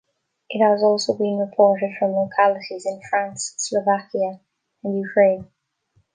It has also been reported from localities in France, Slovakia and Ukraine.